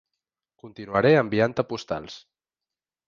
Continuaré enviant-te postals.